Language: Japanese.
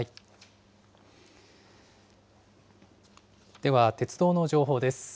では、鉄道の情報です。